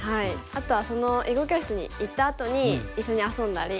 あとは囲碁教室に行ったあとに一緒に遊んだり。